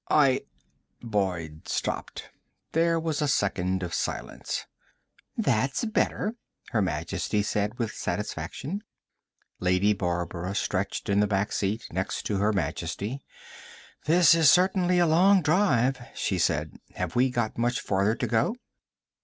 "I " Boyd stopped. There was a second of silence. "That's better," Her Majesty said with satisfaction. Lady Barbara stretched in the back seat, next to Her Majesty. "This is certainly a long drive," she said. "Have we got much farther to go?"